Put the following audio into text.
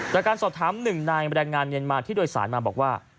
แต่การสอบถาม๑นายแบรนด์งานเมียนมาที่โดยสารมาบอกว่า